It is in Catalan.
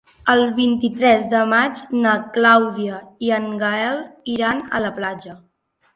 El vint-i-tres de maig na Clàudia i en Gaël iran a la platja.